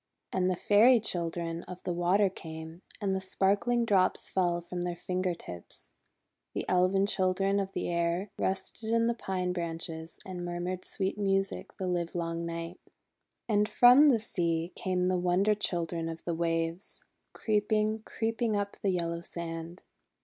And the Fairy Chil dren of the Water came, and the sparkling drops fell from their finger tips. The Elfin Children of the Air rested in the pine branches and mur mured sweet music the livelong night. And from the sea came the Wonder Children of the Waves, creeping, creeping up the yellow sand.